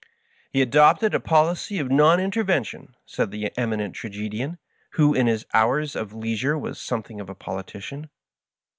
He adopted a policy of non iu tervention," said the Eminent Tragedian, who in his hours of lei sure, was something of a politician.